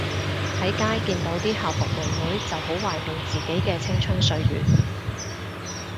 喺街見到啲校服妹妹就好懷緬自己嘅青春歲月